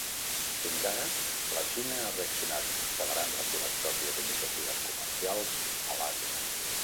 Fins ara, la Xina ha reaccionat accelerant les seves pròpies iniciatives comercials a l'Àsia.